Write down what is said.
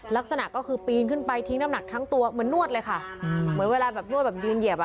ลักษณะก็คือปีนขึ้นไปทิ้งน้ำหนักทั้งตัวเหมือนนวดเลยค่ะเหมือนเวลาแบบนวดแบบยืนเหยียบอ่ะ